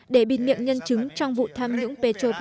để bịt miệng nhân chứng trong vụ tham nhũng